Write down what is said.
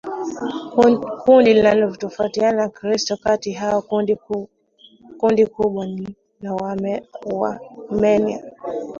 Kundi linalofuata ni Wakristoː kati hao kundi kubwa ni Waarmenia